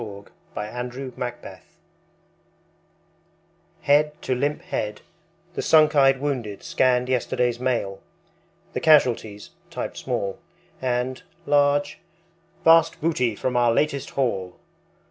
Smile, Smile, Smile Head to limp head, the sunk eyed wounded scanned Yesterday's Mail; the casualties (typed small) And (large) Vast Booty from our Latest Haul.